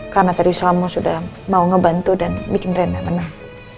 karena tadi usahamu sudah mau ngebantu dan bikin rena menang